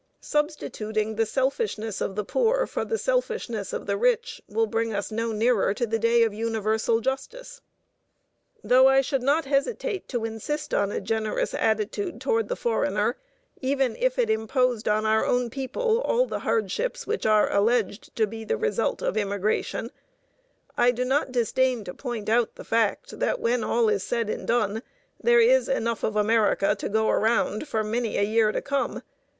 Substituting the selfishness of the poor for the selfishness of the rich will bring us no nearer the day of universal justice. Though I should not hesitate to insist on a generous attitude toward the foreigner even if it imposed on our own people all the hardships which are alleged to be the result of immigration, I do not disdain to point out the fact that, when all is said and done, there is enough of America to go around for many a year to come.